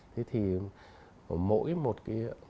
thế thì mỗi một cái